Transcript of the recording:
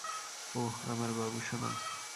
ওহ, আমার বাবুসোনা।